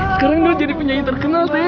sekarang dia jadi penyanyi terkenal t